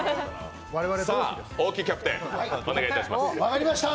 さあ、大木キャプテンお願いいたします。